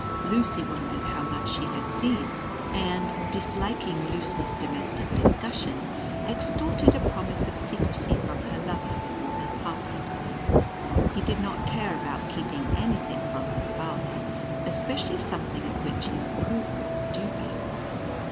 Lucy wondered how much she had seen, and, disliking useless domestic discussion, extorted a promise of secrecy from her lover before they parted. He did not care about keeping anything from his father especially something of which his approval was dubious.